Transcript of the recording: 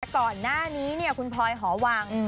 ก่อนหน้านี้คุณพลอยหอวัง